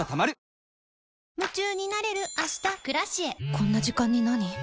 こんな時間になに？